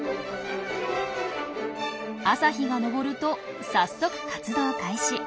朝日が昇ると早速活動開始。